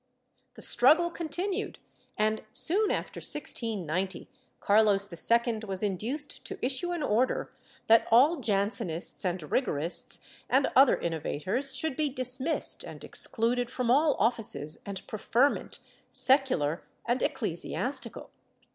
^ The struggle continued and, soon after 1690, Carlos II was induced to issue an order that all Jansenists and Rigorists and other innovators should be dismissed and excluded from all offices and preferment, secular and ecclesiastical.